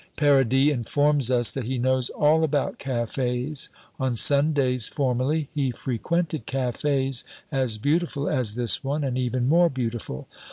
Paradis informs us that he knows all about cafes. On Sundays formerly, he frequented cafes as beautiful as this one and even more beautiful.